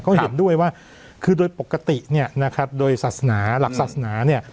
ก็เห็นด้วยว่าคือโดยปกติเนี่ยนะครับโดยศาสนาหลักศาสนาเนี่ย